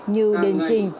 như đền trình